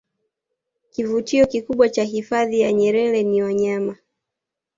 kivutio kikubwa cha hifadhi ya nyerer ni wanyama